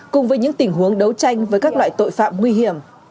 cùng với những tình huống đấu tranh với các loại tội phạm nguy hiểm